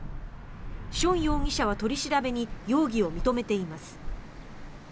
ション容疑者は取り調べに容疑を認めています。